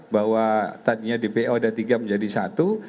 bahwa tadinya dpo ada tiga menjadi satu